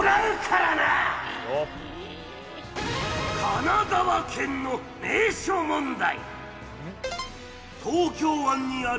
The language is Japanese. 神奈川県の名所問題。